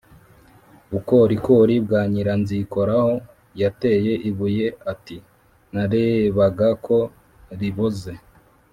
Bukorikori bwa Nyiranzikoraho yateye ibuye ati narebaga ko riboze.